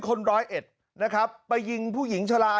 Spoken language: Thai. คนร้อยเอ็ดนะครับไปยิงผู้หญิงชะลา